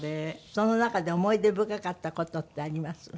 その中で思い出深かった事ってあります？